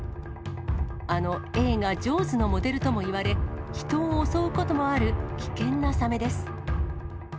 あの映画、ジョーズのモデルともいわれ、人を襲うこともある危険なサメです。